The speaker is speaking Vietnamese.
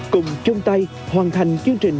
cùng chung tay hoàn thành chương trình